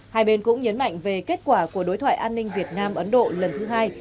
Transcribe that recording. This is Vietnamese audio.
hai bên cũng nhấn mạnh về kết quả của đối thoại an ninh việt nam ấn độ lần thứ hai